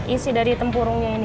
isi dari tempurungnya ini